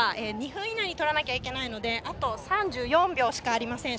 ２分以内に撮らなきゃいけないのであと３４秒しかありません。